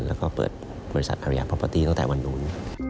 แล้วก็เปิดบริษัทอาริยาพอปาร์ตี้ตั้งแต่วันนู้น